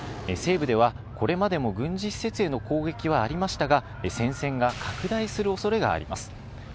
西部では、これまでも軍事施設への攻撃はありましたが、戦線が拡大するおそれがあります。